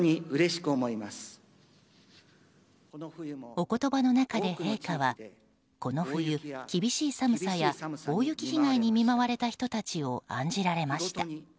お言葉の中で陛下はこの冬、厳しい寒さや大雪被害に見舞われた人たちを案じました。